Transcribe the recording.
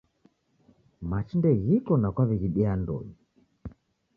Machi ndeghiko na kwaw'eghidia andonyi